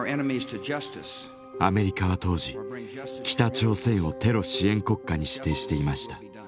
アメリカは当時北朝鮮をテロ支援国家に指定していました。